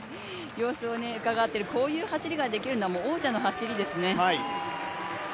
様子をうかがっている、こういう走りができるのは王者の走りですね。